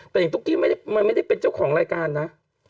แต่อย่างตุ๊กกี้มันไม่ได้เป็นเจ้าของรายการนะ